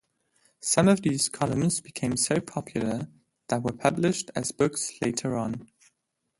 Some of these columns became so popular that were published as books later on.